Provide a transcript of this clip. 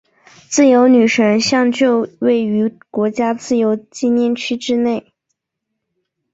自由女神像就位于国家自由纪念区之内。